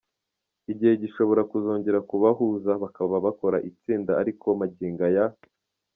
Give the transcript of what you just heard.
igihe gishobora kuzongera kubahuza bakaba bakora itsinda ariko magingo aya